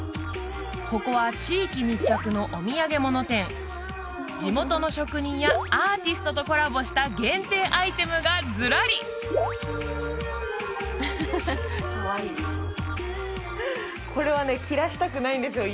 ここは地域密着のお土産物店地元の職人やアーティストとコラボした限定アイテムがずらりこれはねきらしたくないんですよ